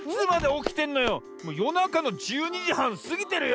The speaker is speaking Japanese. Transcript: もうよなかの１２じはんすぎてるよ！